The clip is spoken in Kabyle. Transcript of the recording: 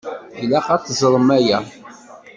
Ilaq ad t-teẓṛem aya.